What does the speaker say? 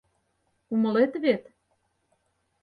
Умылет вет?